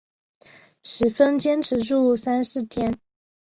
十分坚持住三四天